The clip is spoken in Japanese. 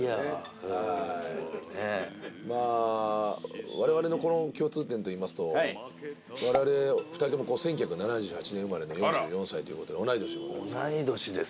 まあ我々の共通点といいますと我々２人とも１９７８年生まれの４４歳という事で同い年でございます。